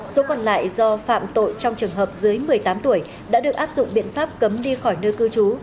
số còn lại do phạm tội trong trường hợp dưới một mươi tám tuổi đã được áp dụng biện pháp cấm đi khỏi nơi cư trú